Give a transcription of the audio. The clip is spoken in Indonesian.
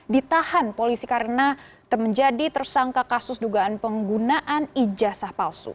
ditahan polisi karena menjadi tersangka kasus dugaan penggunaan ijazah palsu